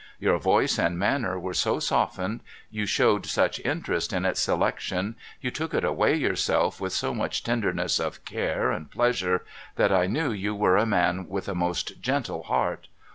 Your voice and manner were so softened, you showed such interest in its selection, you took it away yourself with so much tenderness of care and pleasure, that I knew you v/ere a man with a most gentle heart.